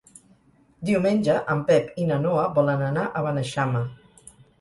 Diumenge en Pep i na Noa volen anar a Beneixama.